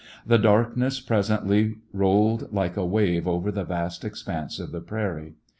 The dark ness presently rolled like a wave over the vast expanse of the prairie.